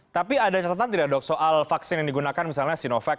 tapi ada catatan tidak dok soal vaksin yang digunakan misalnya sinovac